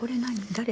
誰？